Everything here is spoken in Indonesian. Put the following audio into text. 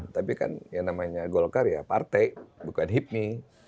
tapi kan yang namanya golkar ya partai bukan hipmi